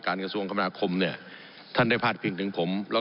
ผมอภิปรายเรื่องการขยายสมภาษณ์รถไฟฟ้าสายสีเขียวนะครับ